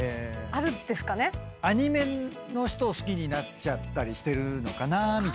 アニメの人を好きになっちゃったりしてるのかなみたいな。